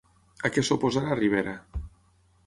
A què s'oposarà Rivera?